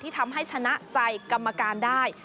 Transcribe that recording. ทำให้ชนะใจกรรมการได้